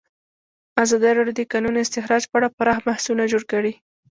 ازادي راډیو د د کانونو استخراج په اړه پراخ بحثونه جوړ کړي.